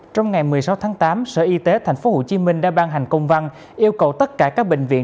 trong ngày một mươi sáu tháng tám sở y tế tp hcm đã ban hành công văn yêu cầu tất cả các bệnh viện